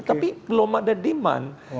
tapi belum ada demand